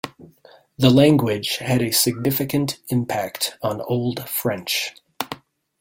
The language had a significant impact on Old French.